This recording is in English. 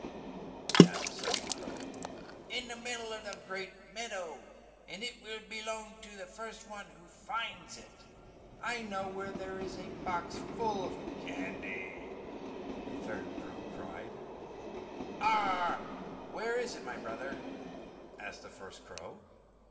asked the second crow. "In the middle of the great meadow, and it will belong to the one who finds it first!" "I know where there is a box full of candy!" the third crow cried. "Ahhhh! Where is it, my brother?" asked the first crow.